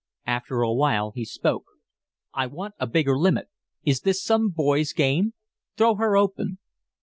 After a while he spoke. "I want a bigger limit. Is this some boy's game? Throw her open."